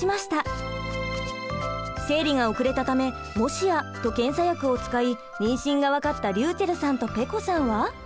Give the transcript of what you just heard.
生理が遅れたためもしやと検査薬を使い妊娠がわかったりゅうちぇるさんとぺこさんは？